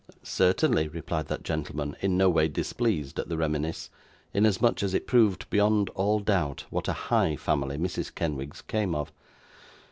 'Certainly,' replied that gentleman, in no way displeased at the reminiscence, inasmuch as it proved, beyond all doubt, what a high family Mrs. Kenwigs came of.